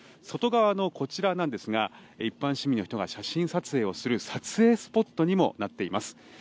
外側のこちらなんですが一般市民の人が写真撮影する撮影スポットにもなっています。